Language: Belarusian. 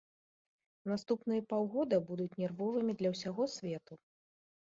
Наступныя паўгода будуць нервовымі для ўсяго свету.